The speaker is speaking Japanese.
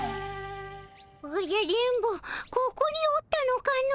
おじゃ電ボここにおったのかの。